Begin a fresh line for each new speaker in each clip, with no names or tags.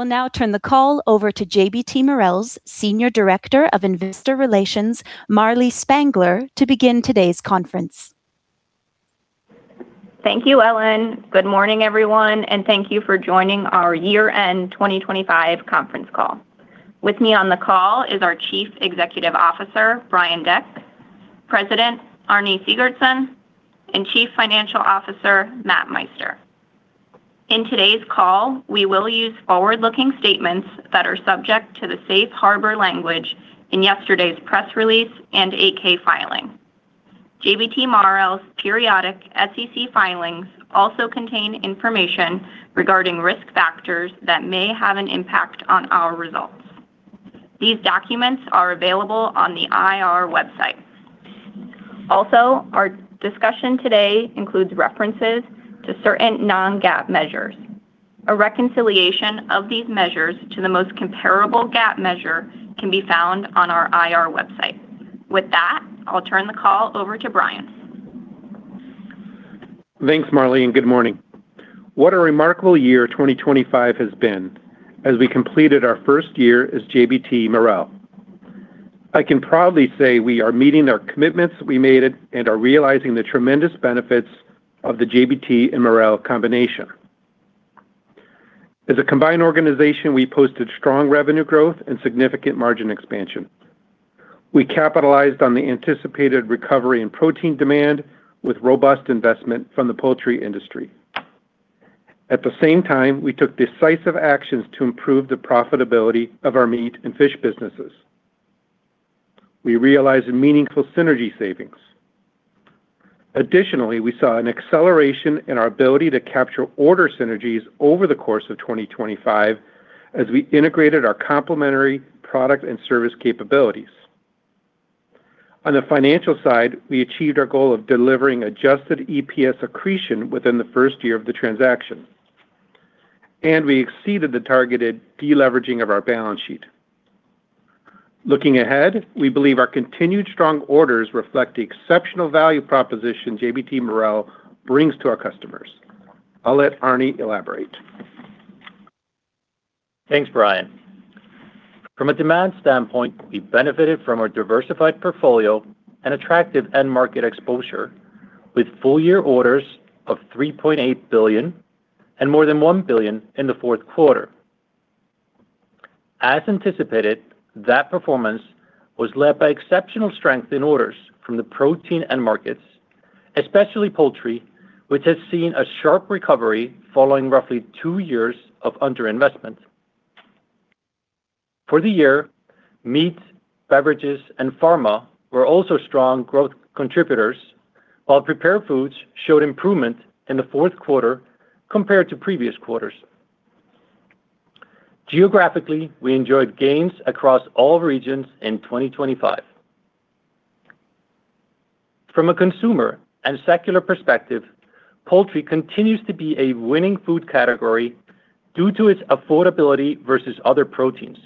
I'll now turn the call over to JBT Marel's Senior Director of Investor Relations, Marlee Spangler, to begin today's conference.
Thank you, Ellen. Good morning, everyone, and thank you for joining our year-end 2025 conference call. With me on the call is our Chief Executive Officer, Brian Deck, President, Arni Sigurdsson, and Chief Financial Officer, Matthew Meister. In today's call, we will use forward-looking statements that are subject to the safe harbor language in yesterday's press release and 8-K filing. JBT Marel's periodic SEC filings also contain information regarding risk factors that may have an impact on our results. These documents are available on the IR website. Also, our discussion today includes references to certain non-GAAP measures. A reconciliation of these measures to the most comparable GAAP measure can be found on our IR website. With that, I'll turn the call over to Brian.
Thanks, Marlee, and good morning. What a remarkable year 2025 has been as we completed our first year as JBT Marel. I can proudly say we are meeting our commitments we made it and are realizing the tremendous benefits of the JBT and Marel combination. As a combined organization, we posted strong revenue growth and significant margin expansion. We capitalized on the anticipated recovery in protein demand with robust investment from the poultry industry. At the same time, we took decisive actions to improve the profitability of our meat and fish businesses. We realized meaningful synergy savings. Additionally, we saw an acceleration in our ability to capture order synergies over the course of 2025 as we integrated our complementary product and service capabilities. On the financial side, we achieved our goal of delivering adjusted EPS accretion within the first year of the transaction. We exceeded the targeted deleveraging of our balance sheet. Looking ahead, we believe our continued strong orders reflect the exceptional value proposition JBT Marel brings to our customers. I'll let Arne elaborate.
Thanks, Brian. From a demand standpoint, we benefited from our diversified portfolio and attractive end market exposure with full-year orders of $3.8 billion and more than $1 billion in the fourth quarter. As anticipated, that performance was led by exceptional strength in orders from the protein end markets, especially poultry, which has seen a sharp recovery following roughly 2 years of underinvestment. For the year, meat, beverages, and pharma were also strong growth contributors, while prepared foods showed improvement in the fourth quarter compared to previous quarters. Geographically, we enjoyed gains across all regions in 2025. From a consumer and secular perspective, poultry continues to be a winning food category due to its affordability versus other proteins,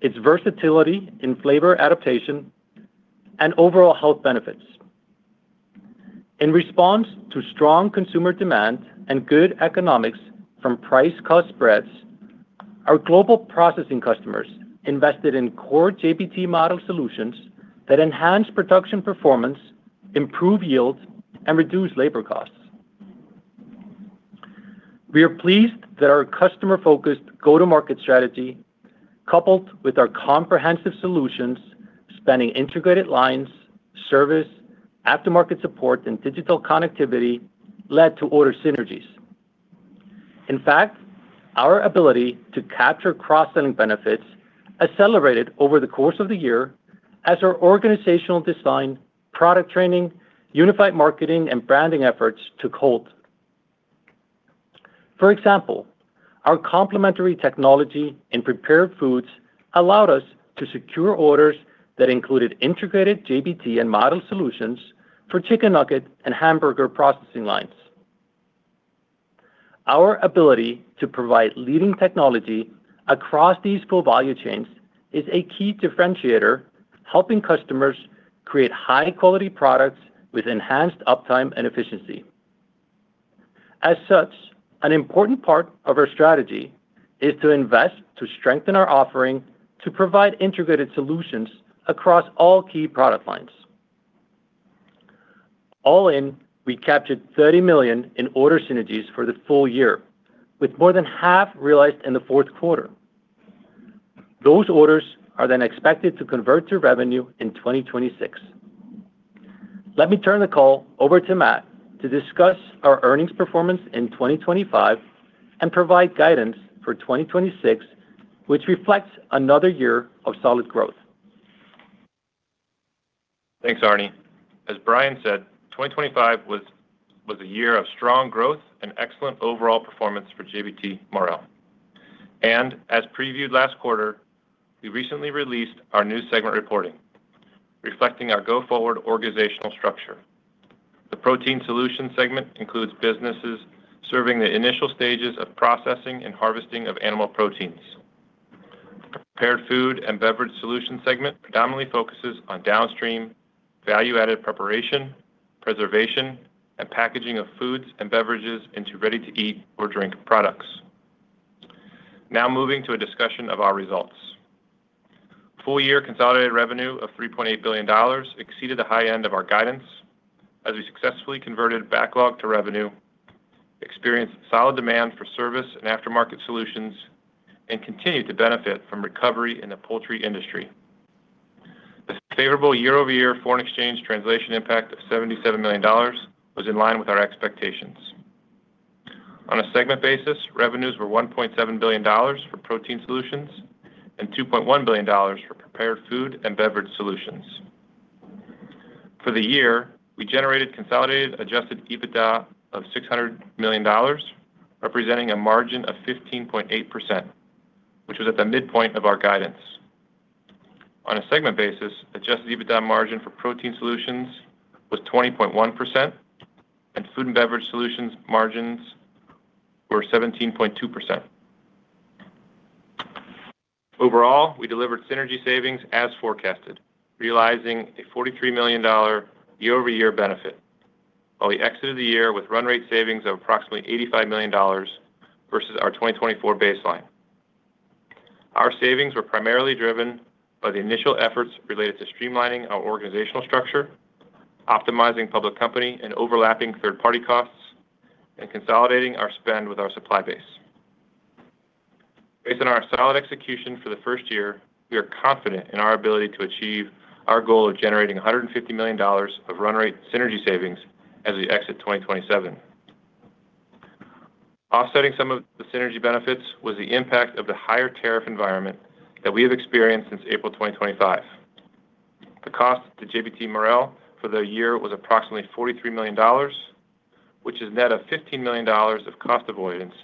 its versatility in flavor adaptation, and overall health benefits. In response to strong consumer demand and good economics from price cost spreads, our global processing customers invested in core JBT Marel solutions that enhance production performance, improve yields, and reduce labor costs. We are pleased that our customer-focused go-to-market strategy, coupled with our comprehensive solutions, spanning integrated lines, service, aftermarket support, and digital connectivity, led to order synergies. In fact, our ability to capture cross-selling benefits accelerated over the course of the year as our organizational design, product training, unified marketing, and branding efforts took hold. For example, our complementary technology in prepared foods allowed us to secure orders that included integrated JBT and Marel solutions for chicken nugget and hamburger processing lines. Our ability to provide leading technology across these full value chains is a key differentiator, helping customers create high-quality products with enhanced uptime and efficiency. As such, an important part of our strategy is to invest to strengthen our offering, to provide integrated solutions across all key product lines. All in, we captured $30 million in order synergies for the full year, with more than half realized in the fourth quarter. Those orders are expected to convert to revenue in 2026. Let me turn the call over to Matt to discuss our earnings performance in 2025 and provide guidance for 2026, which reflects another year of solid growth.
Thanks, Arne. As Brian said, 2025 was a year of strong growth and excellent overall performance for JBT Marel. As previewed last quarter, we recently released our new segment reporting, reflecting our go-forward organizational structure. The Protein Solutions segment includes businesses serving the initial stages of processing and harvesting of animal proteins. Prepared Food and Beverage Solutions segment predominantly focuses on downstream value-added preparation, preservation, and packaging of foods and beverages into ready-to-eat or drink products. Moving to a discussion of our results. Full-year consolidated revenue of $3.8 billion exceeded the high end of our guidance as we successfully converted backlog to revenue, experienced solid demand for service and aftermarket solutions, and continued to benefit from recovery in the poultry industry. The favorable year-over-year foreign exchange translation impact of $77 million was in line with our expectations. On a segment basis, revenues were $1.7 billion for Protein Solutions and $2.1 billion for Prepared Food and Beverage Solutions. For the year, we generated consolidated adjusted EBITDA of $600 million, representing a margin of 15.8%, which was at the midpoint of our guidance. On a segment basis, adjusted EBITDA margin for Protein Solutions was 20.1%, and Food and Beverage Solutions margins were 17.2%. Overall, we delivered synergy savings as forecasted, realizing a $43 million year-over-year benefit, while we exited the year with run rate savings of approximately $85 million versus our 2024 baseline. Our savings were primarily driven by the initial efforts related to streamlining our organizational structure, optimizing public company and overlapping third-party costs, and consolidating our spend with our supply base. Based on our solid execution for the first year, we are confident in our ability to achieve our goal of generating $150 million of run rate synergy savings as we exit 2027. Offsetting some of the synergy benefits was the impact of the higher tariff environment that we have experienced since April 2025. The cost to JBT Marel for the year was approximately $43 million, which is net of $15 million of cost avoidance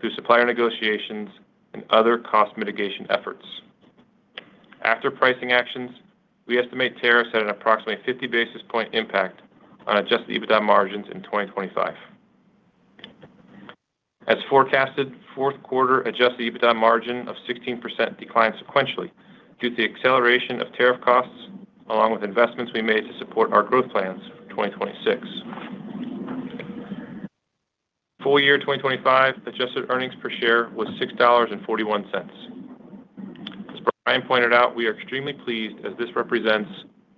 through supplier negotiations and other cost mitigation efforts. After pricing actions, we estimate tariffs had an approximately 50 basis point impact on adjusted EBITDA margins in 2025. As forecasted, fourth quarter adjusted EBITDA margin of 16% declined sequentially due to the acceleration of tariff costs, along with investments we made to support our growth plans for 2026. Full year 2025, adjusted earnings per share was $6.41. As Brian pointed out, we are extremely pleased as this represents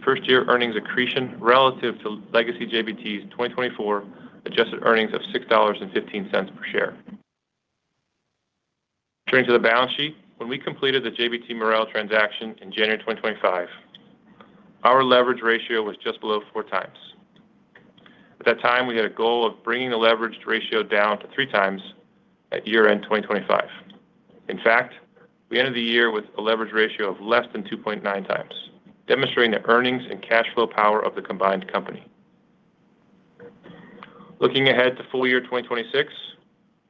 first-year earnings accretion relative to legacy JBT's 2024 adjusted earnings of $6.15 per share. Turning to the balance sheet, when we completed the JBT Marel transaction in January 2025, our leverage ratio was just below 4 times. At that time, we had a goal of bringing the leverage ratio down to 3 times at year-end 2025. In fact, we ended the year with a leverage ratio of less than 2.9 times, demonstrating the earnings and cash flow power of the combined company. Looking ahead to full year 2026,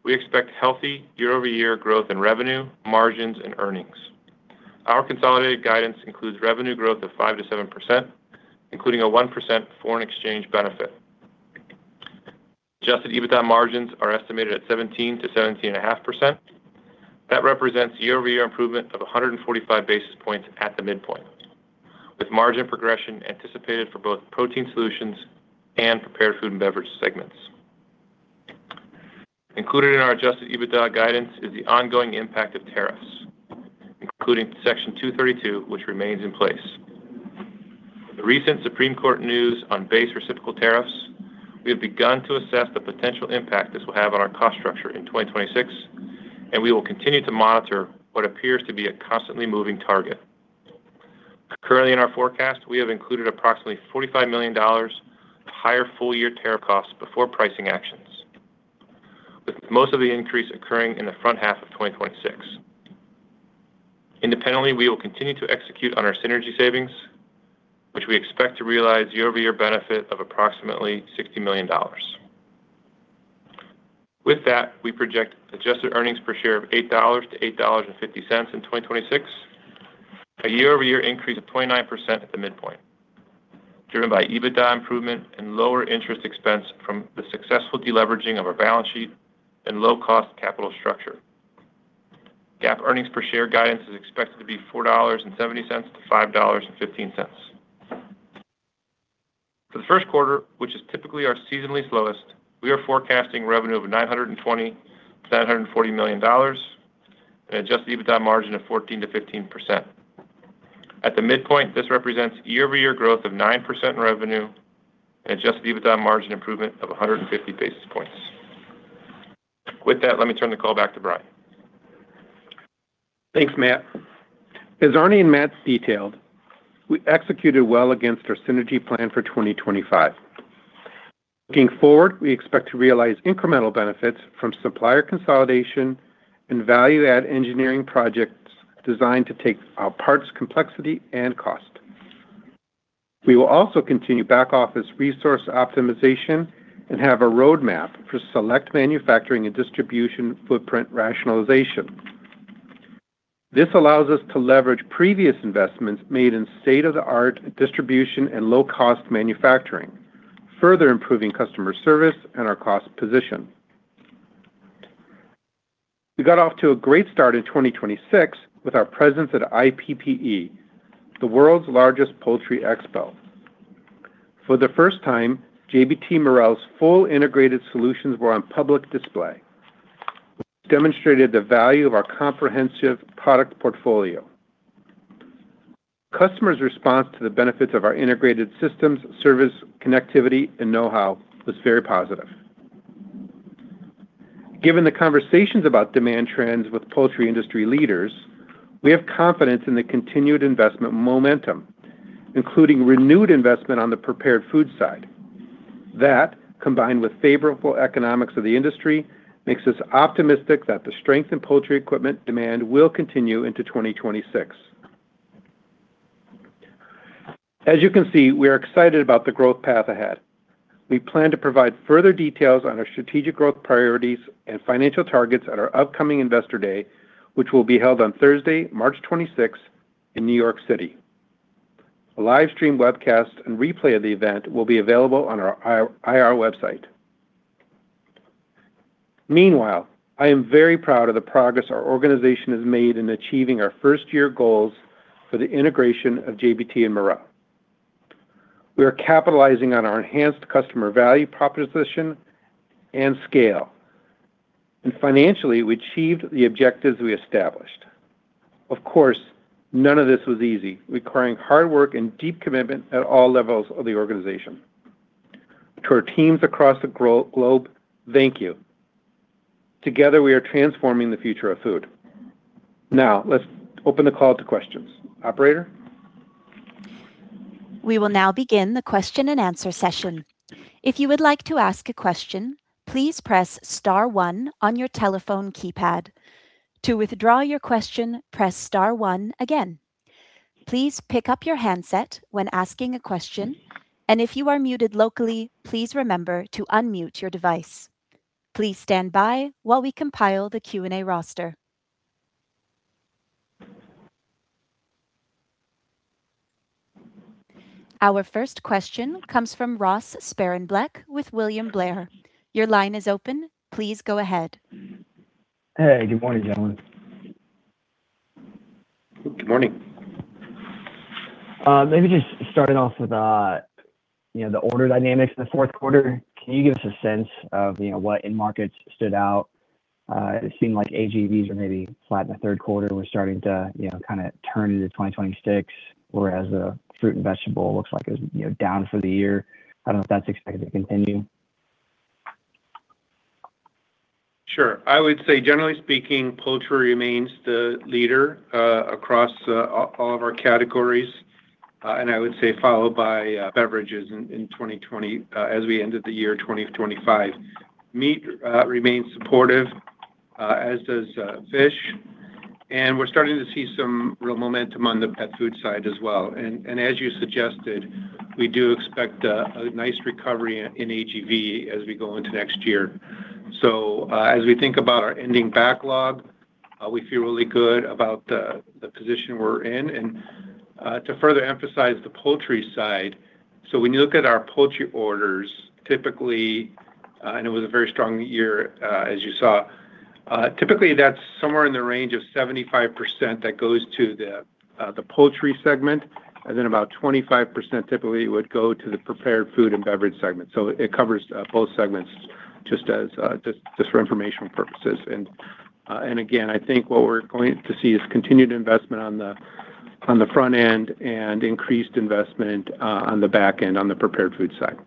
we expect healthy year-over-year growth in revenue, margins, and earnings. Our consolidated guidance includes revenue growth of 5%-7%, including a 1% foreign exchange benefit. adjusted EBITDA margins are estimated at 17%-17.5%. That represents year-over-year improvement of 145 basis points at the midpoint, with margin progression anticipated for both Protein Solutions and Prepared Food and Beverage segments. Included in our adjusted EBITDA guidance is the ongoing impact of tariffs, including Section 232, which remains in place. The recent Supreme Court news on base reciprocal tariffs, we have begun to assess the potential impact this will have on our cost structure in 2026, we will continue to monitor what appears to be a constantly moving target. Currently, in our forecast, we have included approximately $45 million of higher full-year tariff costs before pricing actions, with most of the increase occurring in the front half of 2026. Independently, we will continue to execute on our synergy savings, which we expect to realize year-over-year benefit of approximately $60 million. With that, we project adjusted earnings per share of $8.00-$8.50 in 2026, a year-over-year increase of 29% at the midpoint, driven by EBITDA improvement and lower interest expense from the successful deleveraging of our balance sheet and low-cost capital structure. GAAP earnings per share guidance is expected to be $4.70-$5.15. For the first quarter, which is typically our seasonally slowest, we are forecasting revenue of $920 million-$940 million and adjusted EBITDA margin of 14%-15%. At the midpoint, this represents year-over-year growth of 9% in revenue and adjusted EBITDA margin improvement of 150 basis points. With that, let me turn the call back to Brian.
Thanks, Matt. As Arne and Matt detailed, we executed well against our synergy plan for 2025. Looking forward, we expect to realize incremental benefits from supplier consolidation and value-add engineering projects designed to take our parts complexity and cost. We will also continue back-office resource optimization and have a roadmap for select manufacturing and distribution footprint rationalization. This allows us to leverage previous investments made in state-of-the-art distribution and low-cost manufacturing, further improving customer service and our cost position. We got off to a great start in 2026 with our presence at IPPE, the world's largest poultry expo. For the first time, JBT Marel's full integrated solutions were on public display, which demonstrated the value of our comprehensive product portfolio. Customers' response to the benefits of our integrated systems, service, connectivity, and know-how was very positive. Given the conversations about demand trends with poultry industry leaders, we have confidence in the continued investment momentum, including renewed investment on the prepared food side. That, combined with favorable economics of the industry, makes us optimistic that the strength in poultry equipment demand will continue into 2026. As you can see, we are excited about the growth path ahead. We plan to provide further details on our strategic growth priorities and financial targets at our upcoming Investor Day, which will be held on Thursday, March 26, in New York City. A live stream webcast and replay of the event will be available on our IR website. Meanwhile, I am very proud of the progress our organization has made in achieving our first-year goals for the integration of JBT and Marel. We are capitalizing on our enhanced customer value proposition and scale. Financially, we achieved the objectives we established. Of course, none of this was easy, requiring hard work and deep commitment at all levels of the organization. To our teams across the globe, thank you. Together, we are transforming the future of food. Now, let's open the call to questions. Operator?
We will now begin the question-and-answer session. If you would like to ask a question, please press star one on your telephone keypad. To withdraw your question, press star one again. Please pick up your handset when asking a question, and if you are muted locally, please remember to unmute your device. Please stand by while we compile the Q&A roster. Our first question comes from Ross Sparenblek with William Blair. Your line is open. Please go ahead.
Hey, good morning, gentlemen.
Good morning.
Maybe just starting off with, you know, the order dynamics in the fourth quarter. Can you give us a sense of, you know, what end markets stood out? It seemed like AGVs were maybe flat in the third quarter and were starting to, you know, kind of turn into 2026, whereas the fruit and vegetable looks like it was, you know, down for the year. I don't know if that's expected to continue.
Sure. I would say, generally speaking, poultry remains the leader, across all of our categories, and I would say followed by beverages in as we ended the year 2025. Meat remains supportive, as does fish, and we're starting to see some real momentum on the pet food side as well. As you suggested, we do expect a nice recovery in AGV as we go into next year. As we think about our ending backlog, we feel really good about the position we're in. To further emphasize the poultry side, so when you look at our poultry orders, typically, and it was a very strong year, as you saw. typically, that's somewhere in the range of 75% that goes to the Protein Solutions segment, and then about 25% typically would go to the Prepared Food and Beverage Solutions segment. It covers both segments just as for informational purposes. Again, I think what we're going to see is continued investment on the front end and increased investment on the back end, on the Prepared Food and Beverage Solutions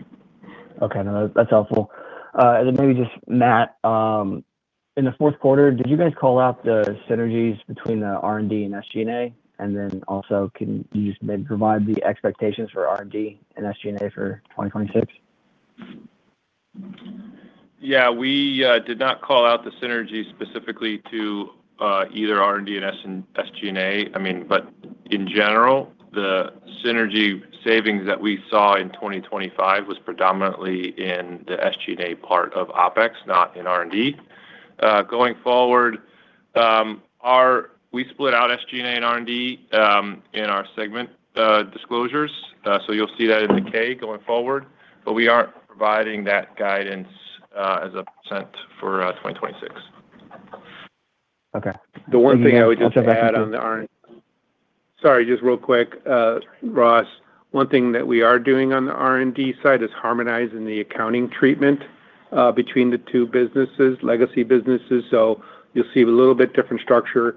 side.
Okay, no, that's helpful. Maybe just Matt, in the fourth quarter, did you guys call out the synergies between the R&D and SG&A? Also, can you just maybe provide the expectations for R&D and SG&A for 2026?
Yeah, we did not call out the synergy specifically to either R&D and SG&A. I mean, in general, the synergy savings that we saw in 2025 was predominantly in the SG&A part of OpEx, not in R&D. Going forward, We split out SG&A and R&D in our segment disclosures, so you'll see that in the K going forward. We aren't providing that guidance as a % for 2026.
Okay.
The one thing I would just add on the R&D-
Sorry.
Sorry, just real quick, Ross. One thing that we are doing on the R&D side is harmonizing the accounting treatment, between the two businesses, legacy businesses. You'll see a little bit different structure.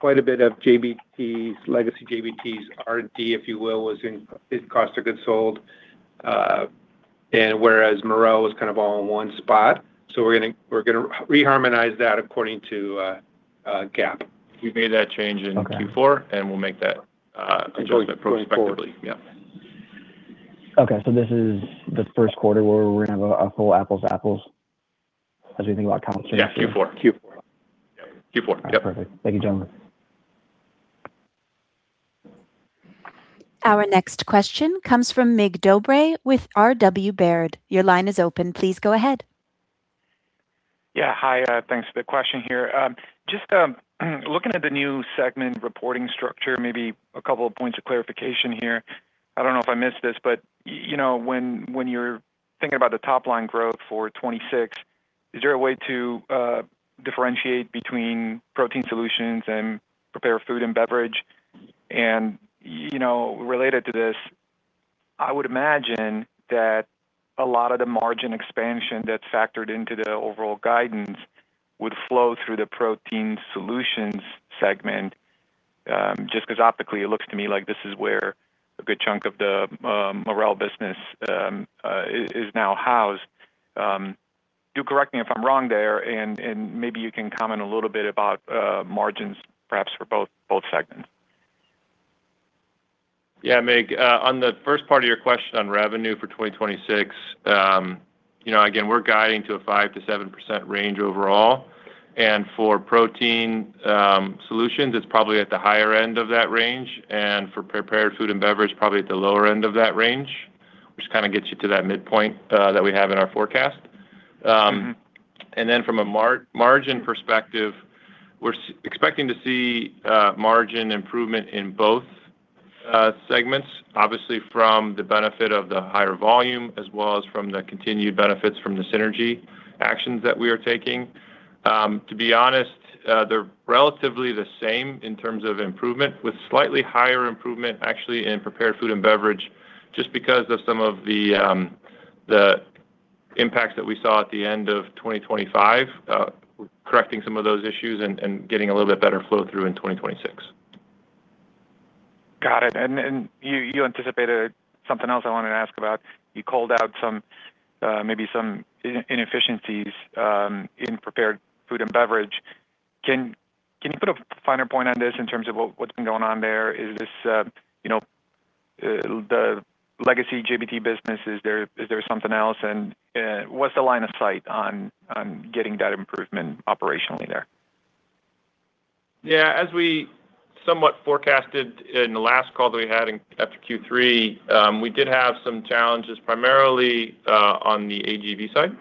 Quite a bit of JBT's, legacy JBT's R&D, if you will, was in its cost of goods sold, and whereas Marel was kind of all in one spot. We're gonna, we're gonna reharmonize that according to, GAAP.
We made that change in-
Okay...
Q4, we'll make that adjustment prospectively.
Going forward.
Yep.
Okay, this is the first quarter where we're gonna have a full apples to apples as we think about compensation?
Yeah, Q4. Q4. Q4, yep.
Perfect. Thank you, gentlemen.
Our next question comes from Mig Dobre with R.W. Baird. Your line is open. Please go ahead.
Yeah, hi, thanks for the question here. just looking at the new segment reporting structure, maybe a couple of points of clarification here. I don't know if I missed this, but you know, when you're thinking about the top-line growth for 2026, is there a way to differentiate between Protein Solutions and Prepared Food and Beverage? you know, related to this, I would imagine that a lot of the margin expansion that's factored into the overall guidance would flow through the Protein Solutions segment, just 'cause optically, it looks to me like this is where a good chunk of the Marel business is now housed. Do correct me if I'm wrong there, and maybe you can comment a little bit about margins, perhaps for both segments.
Yeah, Mig, on the first part of your question on revenue for 2026, you know, again, we're guiding to a 5%-7% range overall. For Protein Solutions, it's probably at the higher end of that range, and for Prepared Food and Beverage, probably at the lower end of that range, which kinda gets you to that midpoint that we have in our forecast.
Mm-hmm.
From a margin perspective, we're expecting to see margin improvement in both segments. Obviously, from the benefit of the higher volume as well as from the continued benefits from the synergy actions that we are taking. To be honest, they're relatively the same in terms of improvement, with slightly higher improvement, actually, in Prepared Food and Beverage, just because of some of the impacts that we saw at the end of 2025. We're correcting some of those issues and getting a little bit better flow through in 2026.
Got it. You anticipated something else I wanted to ask about. You called out some maybe some inefficiencies in Prepared Food and Beverage. Can you put a finer point on this in terms of what's been going on there? Is this, you know, the legacy JBT business, is there something else? What's the line of sight on getting that improvement operationally there?
Yeah, as we somewhat forecasted in the last call that we had in-- after Q3, we did have some challenges, primarily on the AGV side.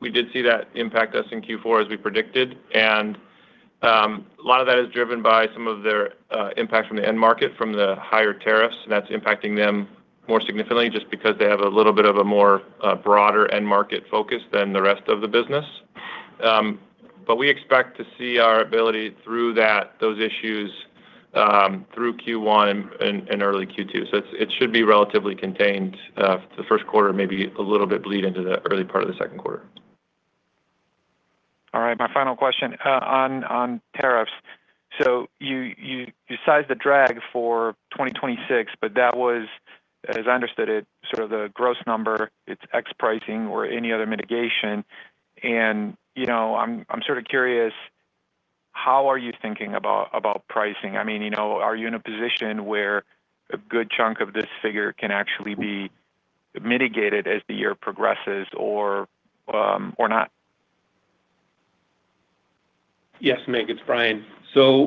We did see that impact us in Q4, as we predicted. A lot of that is driven by some of their impact from the end market, from the higher tariffs, and that's impacting them more significantly just because they have a little bit of a more broader end market focus than the rest of the business. We expect to see our ability through that, those issues, through Q1 and early Q2. It should be relatively contained, the first quarter, maybe a little bit bleed into the early part of the second quarter.
All right, my final question on tariffs. You sized the drag for 2026, but that was, as I understood it, sort of the gross number. It's X pricing or any other mitigation and, you know, I'm sort of curious, how are you thinking about pricing? I mean, you know, are you in a position where a good chunk of this figure can actually be mitigated as the year progresses or not?
Yes, Mig, it's Brian.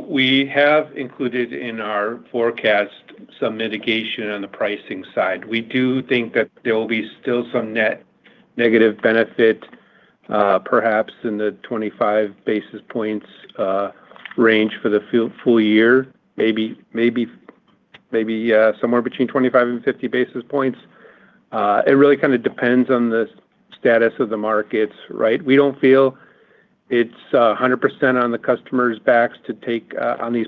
We have included in our forecast some mitigation on the pricing side. We do think that there will be still some net negative benefit, perhaps in the 25 basis points range for the full year. Maybe somewhere between 25 and 50 basis points. It really kinda depends on the status of the markets, right. We don't feel it's 100% on the customer's backs to take on these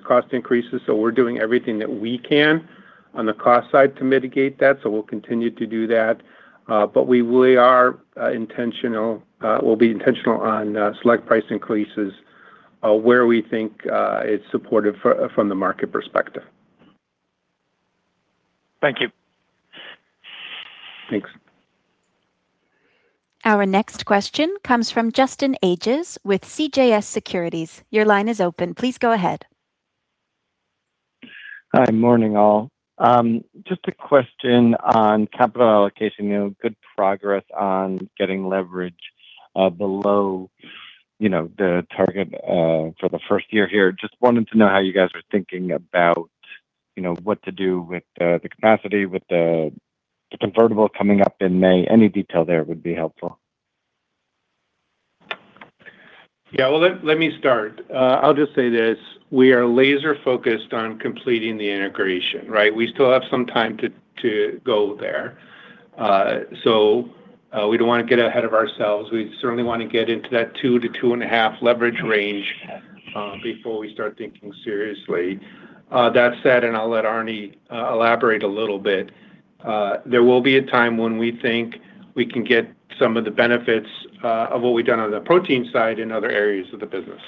cost increases, so we're doing everything that we can on the cost side to mitigate that, so we'll continue to do that. We'll be intentional on select price increases, where we think it's supportive from the market perspective.
Thank you.
Thanks.
Our next question comes from Justin Ages with CJS Securities. Your line is open. Please go ahead.
Hi. Morning, all. Just a question on capital allocation. You know, good progress on getting leverage below, you know, the target for the first year here. Just wanted to know how you guys are thinking about, you know, what to do with the capacity, with the convertible coming up in May. Any detail there would be helpful.
Well, let me start. I'll just say this: we are laser focused on completing the integration, right? We still have some time to go there. We don't wanna get ahead of ourselves. We certainly wanna get into that 2-2.5 leverage range before we start thinking seriously. That said, and I'll let Arnie elaborate a little bit, there will be a time when we think we can get some of the benefits of what we've done on the protein side in other areas of the business.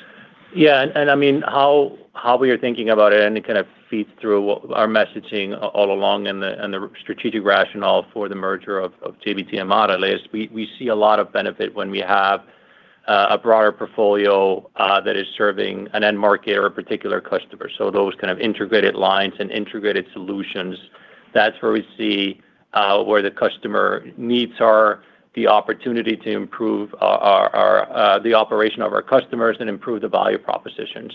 Yeah, I mean, how we are thinking about it, and it kind of feeds through what our messaging all along and the strategic rationale for the merger of JBT and Marel. We see a lot of benefit when we have a broader portfolio that is serving an end market or a particular customer. Those kind of integrated lines and integrated solutions, that's where we see where the customer needs are, the opportunity to improve our the operation of our customers and improve the value proposition....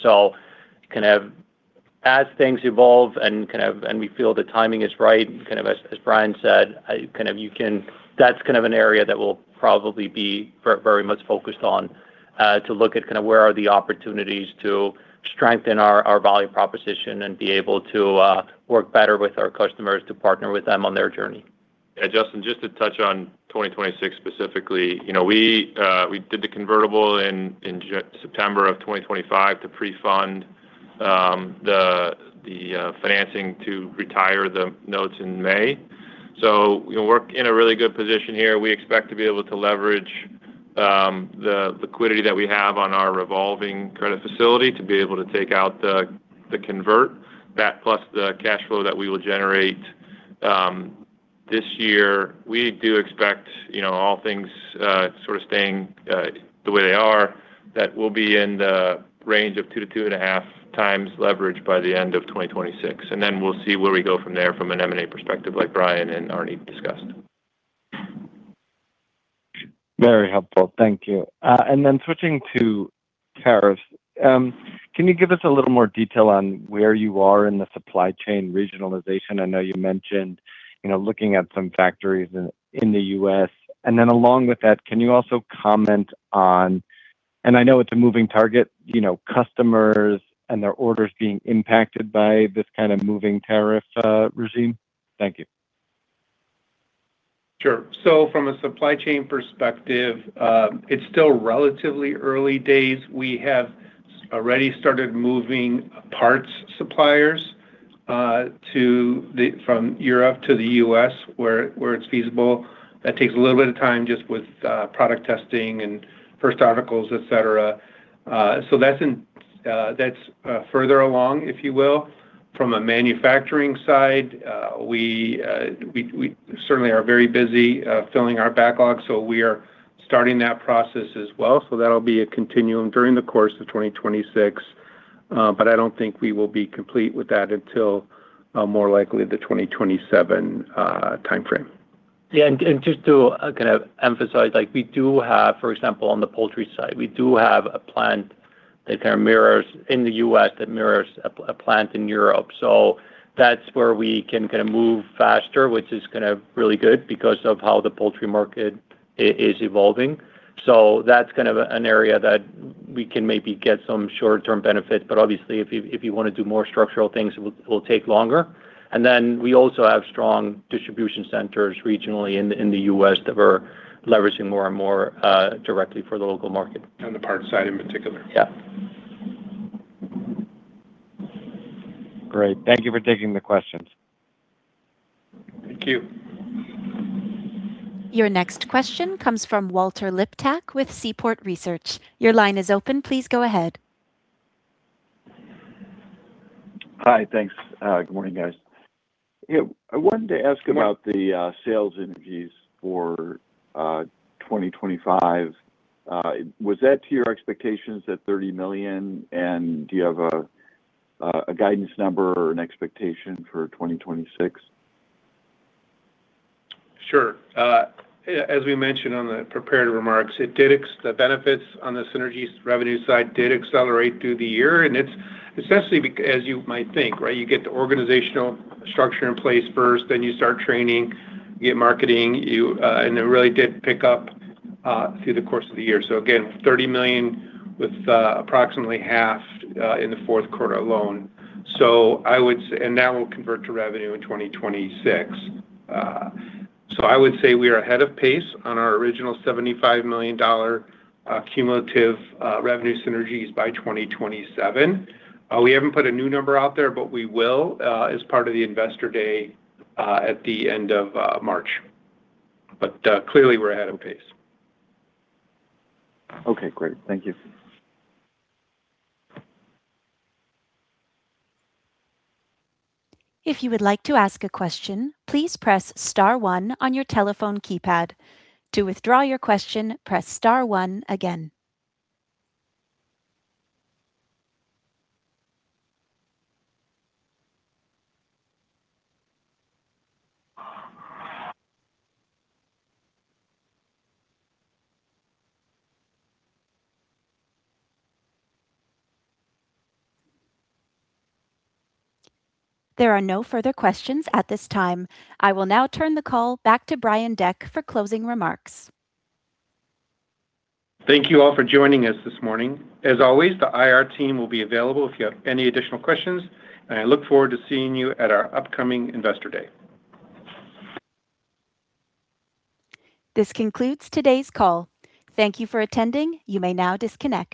As things evolve kind of, we feel the timing is right, kind of as Brian said, kind of that's kind of an area that we'll probably be very much focused on, to look at kind of where are the opportunities to strengthen our value proposition and be able to, work better with our customers, to partner with them on their journey.
Yeah, Justin, just to touch on 2026 specifically, you know, we did the convertible in September of 2025 to pre-fund the financing to retire the notes in May. We work in a really good position here. We expect to be able to leverage the liquidity that we have on our revolving credit facility to be able to take out the convert. That plus the cash flow that we will generate this year. We do expect, you know, all things sort of staying the way they are, that we'll be in the range of 2 to 2.5 times leverage by the end of 2026. We'll see where we go from there from an M&A perspective, like Brian and Arne discussed.
Very helpful. Thank you. Switching to tariffs, can you give us a little more detail on where you are in the supply chain regionalization? I know you mentioned, you know, looking at some factories in the U.S. Along with that, can you also comment on, I know it's a moving target, you know, customers and their orders being impacted by this kind of moving tariff regime? Thank you.
Sure. From a supply chain perspective, it's still relatively early days. We have already started moving parts suppliers from Europe to the US, where it's feasible. That takes a little bit of time, just with product testing and first articles, et cetera. That's in, that's further along, if you will. From a manufacturing side, we certainly are very busy filling our backlog, we are starting that process as well. That'll be a continuum during the course of 2026, I don't think we will be complete with that until more likely the 2027 timeframe.
Just to kind of emphasize, like, we do have, for example, on the poultry side, we do have a plant that kind of mirrors in the U.S., that mirrors a plant in Europe. That's where we can kind of move faster, which is kind of really good because of how the poultry market is evolving. That's kind of an area that we can maybe get some short-term benefits, but obviously, if you want to do more structural things, it will take longer. We also have strong distribution centers regionally in the U.S. that we're leveraging more and more directly for the local market.
On the parts side, in particular.
Yeah.
Great. Thank you for taking the questions.
Thank you.
Your next question comes from Walter Liptak with Seaport Research. Your line is open. Please go ahead.
Hi. Thanks. Good morning, guys. Yeah, I wanted to ask-
Sure...
about the sales synergies for 2025. Was that to your expectations at $30 million, and do you have a guidance number or an expectation for 2026?
Sure. As we mentioned on the prepared remarks, it did the benefits on the synergies revenue side did accelerate through the year, it's essentially as you might think, right? You get the organizational structure in place first, then you start training, you get marketing, you. It really did pick up through the course of the year. Again, $30 million with approximately half in the fourth quarter alone. I would say and that will convert to revenue in 2026. I would say we are ahead of pace on our original $75 million cumulative revenue synergies by 2027. We haven't put a new number out there, but we will as part of the Investor Day at the end of March. Clearly, we're ahead of pace.
Okay, great. Thank you.
If you would like to ask a question, please press star one on your telephone keypad. To withdraw your question, press star one again. There are no further questions at this time. I will now turn the call back to Brian Deck for closing remarks.
Thank you all for joining us this morning. As always, the IR team will be available if you have any additional questions, and I look forward to seeing you at our upcoming Investor Day.
This concludes today's call. Thank you for attending. You may now disconnect.